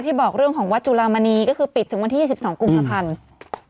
บอกเรื่องของวัดจุลามณีก็คือปิดถึงวันที่๒๒กุมภาพันธ์